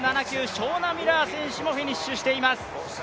ショウナ・ミラー選手もフィニッシュしています。